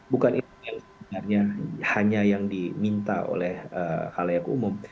bukan itu yang sebenarnya hanya yang diminta oleh hal layak umum